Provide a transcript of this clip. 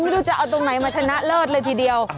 ไม่รู้จะเอาตรงไหนมาชนะเลิศเลยทีเดียว